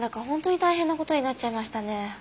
本当に大変な事になっちゃいましたね。